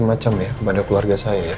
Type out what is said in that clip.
bisa jadi macam macam ya kepada keluarga saya